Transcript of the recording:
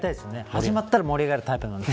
始まったら盛り上がるタイプなんで。